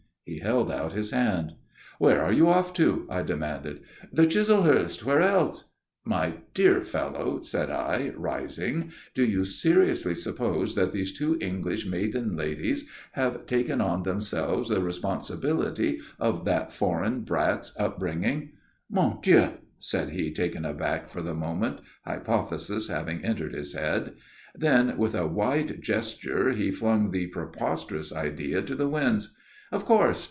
He held out his hand. "Where are you off to?" I demanded. "The Chislehurst, where else?" "My dear fellow," said I, rising, "do you seriously suppose that these two English maiden ladies have taken on themselves the responsibility of that foreign brat's upbringing?" "Mon Dieu!" said he taken aback for the moment, hypothesis having entered his head. Then, with a wide gesture, he flung the preposterous idea to the winds. "Of course.